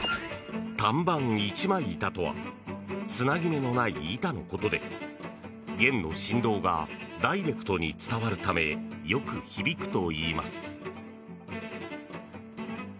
単板一枚板とはつなぎ目のない板のことで弦の振動がダイレクトに伝わるためよく響くといいます。